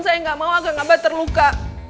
saya gak mau kang abah terluka